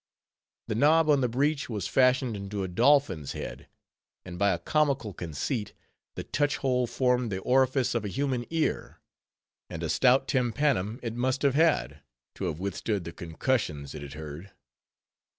The knob on the breach was fashioned into a dolphin's head; and by a comical conceit, the touch hole formed the orifice of a human ear; and a stout tympanum it must have had, to have withstood the concussions it had heard.